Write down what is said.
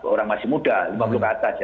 orang masih muda lima puluh tahun ke atas